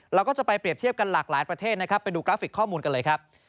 เราก็จะไปเปรียบเทียบกันหลากหลายประเทศนะครับไปดูกราฟิกข้อมูลกันเลยครับ